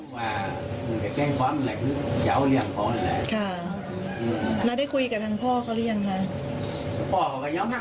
อ่อเอารถหน่อยเป็นเบิ้ลเล็กเกาคี่ไปดิงนั้นน่ะ